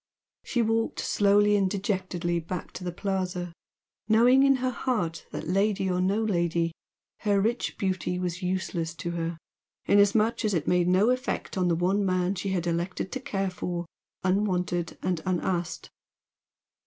She walked slowly and dejectedly back to the Plaza, knowing in her heart that lady or no lady, her rich beauty was useless to her, inasmuch as it made no effect on the one man she had elected to care for, unwanted and unasked.